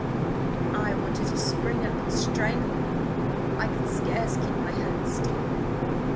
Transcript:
I wanted to spring up and strangle him. ... I could scarce keep my hands still."